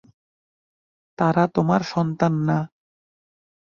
তারা তোমার সন্তান না।